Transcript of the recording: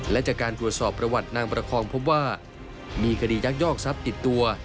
และจากการตรวจสอบประวัตินางประคองพบว่ามีคดียักยอกทรัพย์ติดตัว